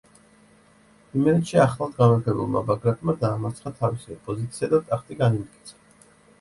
იმერეთში ახლად გამეფებულმა ბაგრატმა დაამარცხა თავისი ოპოზიცია და ტახტი განიმტკიცა.